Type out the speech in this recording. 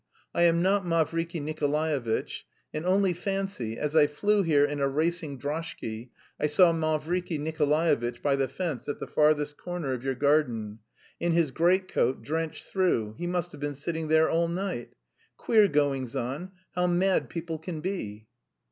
I am not Mavriky Nikolaevitch.... And only fancy, as I flew here in a racing droshky I saw Mavriky Nikolaevitch by the fence at the farthest corner of your garden... in his greatcoat, drenched through, he must have been sitting there all night! Queer goings on! How mad people can be!"